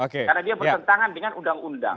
karena dia bertentangan dengan undang undang